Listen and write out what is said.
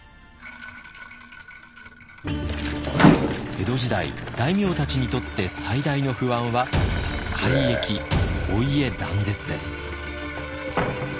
江戸時代大名たちにとって最大の不安は改易お家断絶です。